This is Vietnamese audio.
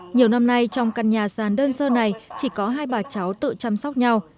nhiều năm nay trong căn nhà sàn đơn sơ này chỉ có hai bà cháu tự chăm sóc nhau